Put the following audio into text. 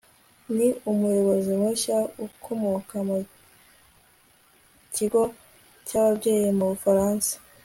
ni umuyobozi mushya ukomoka mu kigo cyababyeyi mu bufaransa